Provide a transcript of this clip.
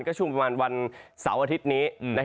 ก็ช่วงประมาณวันเสาร์อาทิตย์นี้